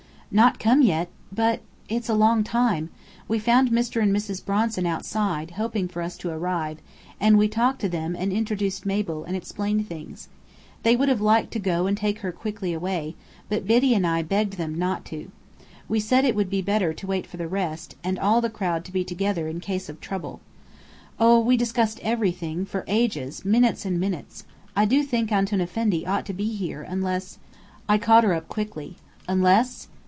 "Not come yet? But it's a long time. We found Mr. and Mrs. Bronson outside, hoping for us to arrive, and we talked to them and introduced Mabel, and explained things. They would have liked to go and take her away quickly, but Biddy and I begged them not to. We said it would be better to wait for the rest, and all the crowd to be together in case of trouble. Oh, we discussed everything, for ages minutes and minutes. I do think Antoun Effendi ought to be here, unless " I caught her up quickly. "Unless?"